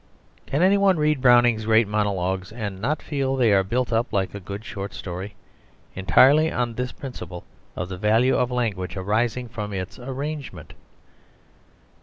Can any one read Browning's great monologues and not feel that they are built up like a good short story, entirely on this principle of the value of language arising from its arrangement.